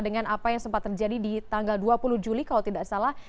dengan apa yang sempat terjadi di tanggal dua puluh juli kalau tidak salah